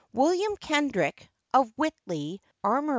William Kendrick, of Whitley, armr.